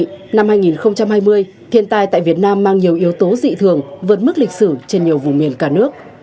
theo báo cáo tại hội nghị năm hai nghìn hai mươi thiên tai tại việt nam mang nhiều yếu tố dị thường vượt mức lịch sử trên nhiều vùng miền cả nước